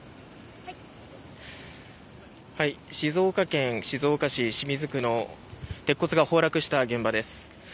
静岡県静岡市清水区の鉄骨が崩落した現場です。